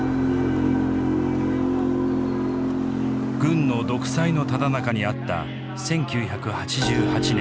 軍の独裁のただ中にあった１９８８年。